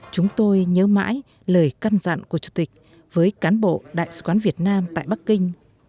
chúng tôi nhớ mãi lời căn dặn của chủ tịch với cán bộ đại sứ quán việt nam tại bắc kinh